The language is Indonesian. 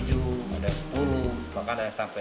jadi kita harus berhati hati